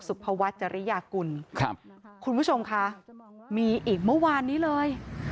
สุภวัฒน์จริยากุลครับคุณผู้ชมค่ะมีอีกเมื่อวานนี้เลย